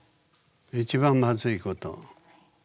一番まずいこと。